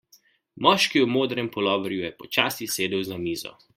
Moški v modrem puloverju je počasi sedel za mizo.